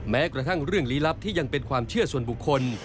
แม้กระทั่งเรื่องลี้ลับที่ยังเป็นความเชื่อส่วนบุคคล